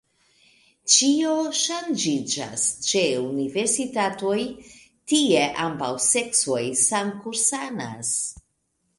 Ĉio ŝanĝiĝas ĉe universitatoj: tie ambaŭ seksoj samkursanas.